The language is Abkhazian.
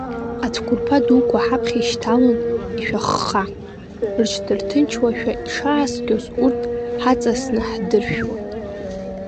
Ацәқәырԥа дуқәа ҳаԥхьа ишьҭалон ишәахха, рыҽдырҭынчуашәа ишааскьоз урҭ ҳаҵасны ҳдыршәуан.